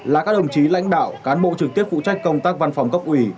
là các đồng chí lãnh đạo cán bộ trực tiếp phụ trách công tác văn phòng cấp ủy